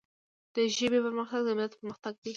د ژبي پرمختګ د ملت پرمختګ دی.